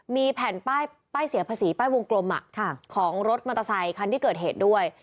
มีแผ่นป้ายเสียภาษีป้ายวงกลมของรถมอเตอร์ไซคันที่เกิดเหตุด้วย